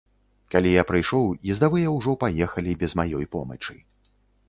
Калі я прыйшоў, ездавыя ўжо паехалі без маёй помачы.